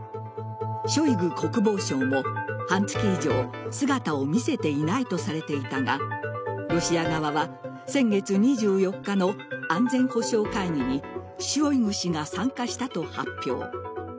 ショイグ国防相も半月以上姿を見せていないとされていたがロシア側は先月２４日の安全保障会議にショイグ氏が参加したと発表。